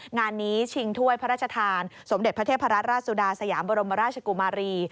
งานนี้ชิงถ้วยพระราชทานสมเด็จพระเทพราชสุดาสยามบรมราชกุมารี